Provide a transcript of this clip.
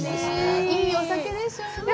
いいお酒でしょうねぇ。